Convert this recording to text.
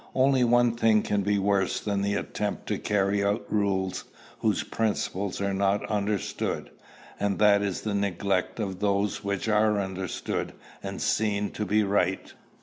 Only one thing can be worse than the attempt to carry out rules whose principles are not understood; and that is the neglect of those which are understood, and seen to be right.